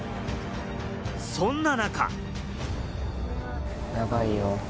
そんな中。